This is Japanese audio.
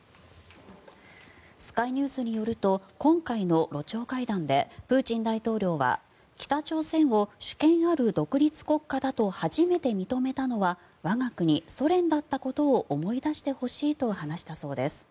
スカイニュースによると今回のロ朝会談でプーチン大統領は北朝鮮を主権ある独立国家だと初めて認めたのは我が国ソ連だったことを思い出してほしいと話したそうです。